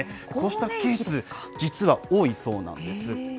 こうしたケース、実は多いそうなんです。